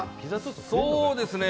そうですね。